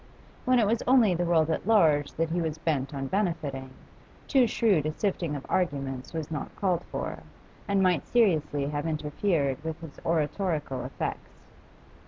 When it was only the world at large that he was bent on benefiting, too shrewd a sifting of arguments was not called for, and might seriously have interfered with his oratorical effects.